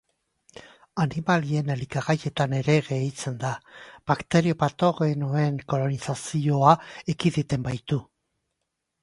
Animalien elikagaietan ere gehitzen da, bakterio patogenoen kolonizazioa ekiditen baitu.